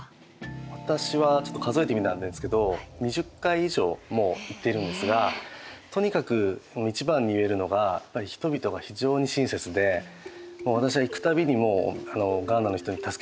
私はちょっと数えてみたんですけど２０回以上もう行っているんですがとにかく一番に言えるのがやっぱり人々が非常に親切で私は行く度にもうガーナの人に助けてもらってます。